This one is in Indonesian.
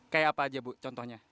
kayak apa aja bu contohnya